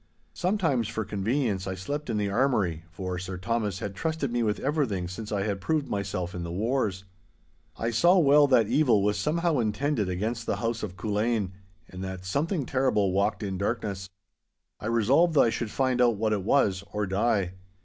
Sometimes for convenience, I slept in the armoury, for Sir Thomas had trusted me with everything since I had proved myself in the wars. I saw well that evil was somehow intended against the house of Culzean, and that something terrible walked in darkness. I resolved that I should find out what it was or die.